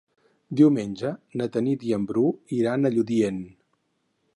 Diumenge na Tanit i en Bru iran a Lludient.